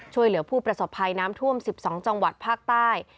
ช่วยเหลือผู้ประสบภัยน้ำท่วม๑๒จังหวัดภาคใต้